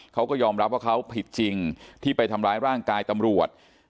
เขาก็ยอมรับว่าเขาผิดจริงที่ไปทำร้ายร่างกายตำรวจ